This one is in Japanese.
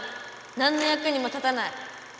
何のやくにも立たない。